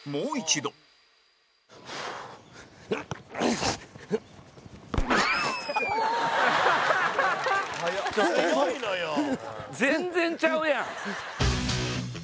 後藤：全然ちゃうやん。